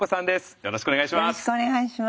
よろしくお願いします。